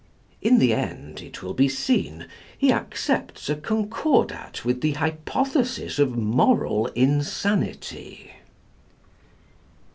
In the end, it will be seen, he accepts a concordat with the hypothesis of "moral insanity."